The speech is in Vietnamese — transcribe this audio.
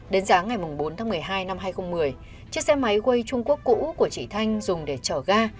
đến sáng ngày bốn tháng một mươi hai năm hai nghìn một mươi chiếc xe máy way trung quốc cũ của chị thanh dùng để chở ga